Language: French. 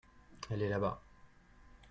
elle est là-bas.